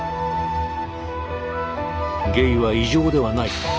「ゲイは異常ではない」